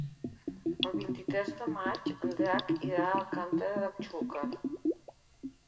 El vint-i-tres de maig en Drac irà a Alcàntera de Xúquer.